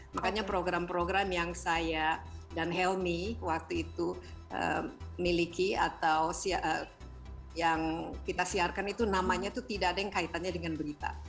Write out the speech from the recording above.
makanya program program yang saya dan helmi waktu itu miliki atau yang kita siarkan itu namanya itu tidak ada yang kaitannya dengan berita